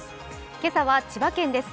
今朝は千葉県です。